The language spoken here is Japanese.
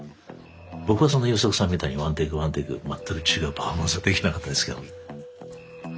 僕はそんな優作さんみたいにワンテイクワンテイク全く違うパフォーマンスは出来なかったですけどね。